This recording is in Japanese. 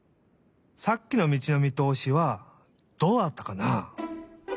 さっきの道のみとおしはどうだったかな？